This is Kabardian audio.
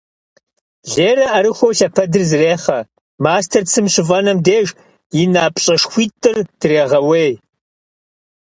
Лерэ ӏэрыхуэу лъэпэдыр зэрехъэ, мастэр цым щыфӏэнэм деж, и напщӏэшхуитӏыр дрегъэуей.